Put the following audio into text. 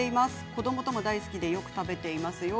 子どもたちも大好きでよく食べていますよ。